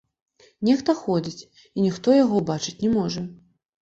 Нехта ходзіць, і ніхто яго ўбачыць не можа.